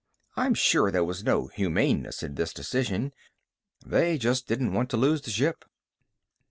I'm sure there was no humaneness in this decision. They just didn't want to lose the ship.